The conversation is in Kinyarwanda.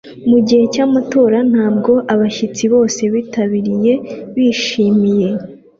Mu gihe cy’amatora ntabwo abashyitsi bose bitabiriye bishimiye